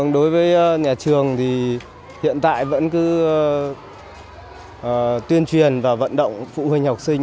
đối với nhà trường thì hiện tại vẫn cứ tuyên truyền và vận động phụ huynh học sinh